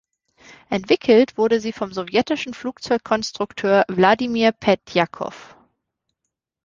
Entwickelt wurde sie vom sowjetischen Flugzeugkonstrukteur Wladimir Petljakow.